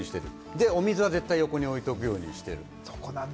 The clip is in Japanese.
で、お水は絶対に横に置いておくようにしている。